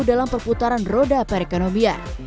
dalam perputaran roda perekonomian